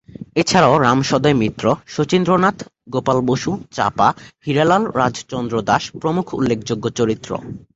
এছাড়াও, রামসদয় মিত্র, শচীন্দ্রনাথ, গোপাল বসু, চাঁপা, হীরালাল, রাজচন্দ্র দাস প্রমূখ উল্লেখযোগ্য চরিত্র।